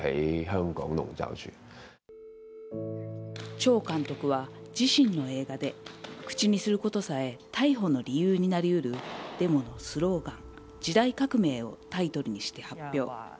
チョウ監督は自身の映画で、口にすることさえ逮捕の理由になりうるデモのスローガン、時代革命をタイトルにして発表。